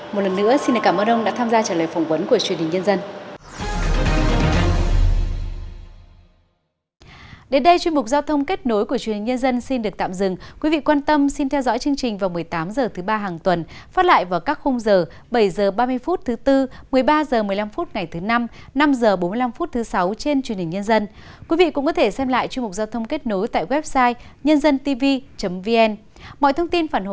một lần nữa xin cảm ơn ông đã tham gia trả lời phỏng vấn của truyền hình nhân dân